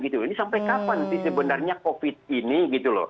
ini sampai kapan sebenarnya covid ini